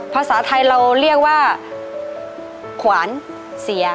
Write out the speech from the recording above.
ภาษาไทยเราเรียกว่าขวานเสีย